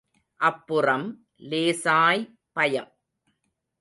அப்புறம் லேசாய் பயம்.